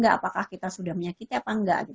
apakah kita sudah menyakiti apa enggak